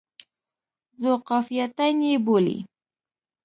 ذوقافیتین یې بولي.